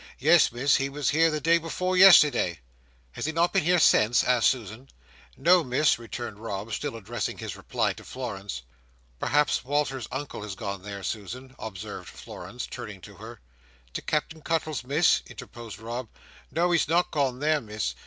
Yes, Miss. He was here the day before yesterday." "Has he not been here since?" asked Susan. "No, Miss," returned Rob, still addressing his reply to Florence. "Perhaps Walter's Uncle has gone there, Susan," observed Florence, turning to her. "To Captain Cuttle's, Miss?" interposed Rob; "no, he's not gone there, Miss.